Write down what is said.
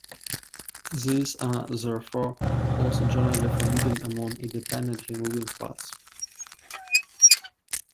These are therefore also generally forbidden among independently moving parts.